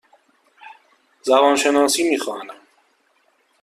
زبان شناسی می خوانم.